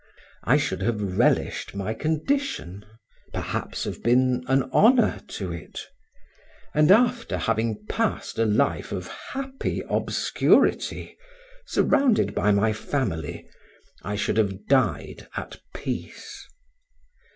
I should have relished my condition, perhaps have been an honor to it, and after having passed a life of happy obscurity, surrounded by my family, I should have died at peace.